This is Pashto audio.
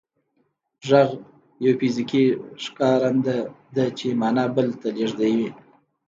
غږ یو فزیکي ښکارنده ده چې معنا بل ته لېږدوي